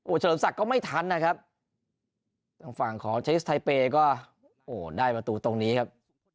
โอ้โชรมทรักก็ไม่ทันนะครับตรงฝั่งของชายศิปริยาไทยก็โหได้ประตูตรงนี้ครับ